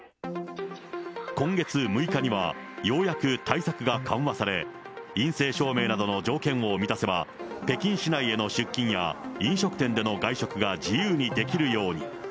今月６日には、ようやく対策が緩和され、陰性証明などの条件を満たせば、北京市内への出勤や、飲食店での外食が自由にできるように。